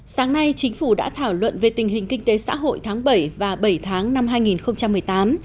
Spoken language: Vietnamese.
sáng nay chính phủ đã thảo luận về tình hình kinh tế xã hội tháng bảy và bảy tháng năm hai nghìn một mươi tám